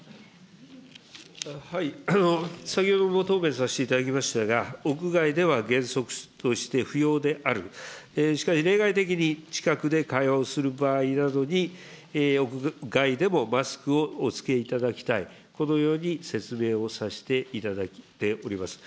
先ほども答弁させていただきましたが、屋外では原則として不要である、しかし例外的に近くで会話をする場合などに、屋外でもマスクをお着けいただきたい、このように説明をさせていただいております。